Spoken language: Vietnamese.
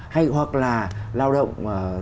hay hoặc là lao động